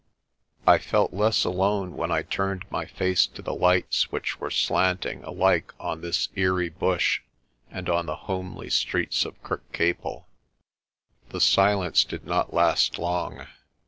I felt less alone when I turned my face to the lights which were slanting alike on this eerie bush and on the homely streets of Kirkcaple. The silence did not last long.